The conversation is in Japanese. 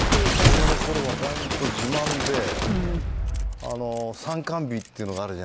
子どもの頃は本当自慢で参観日っていうのがあるじゃないですか。